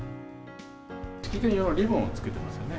式典用のリボンを着けてますよね。